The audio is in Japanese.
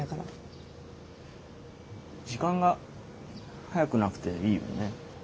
時間が速くなくていいよね。